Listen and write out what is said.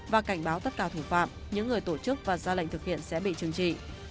và cảnh báo tất cả thủ phạm những người tổ chức và ra lệnh thực hiện sẽ bị trừng trị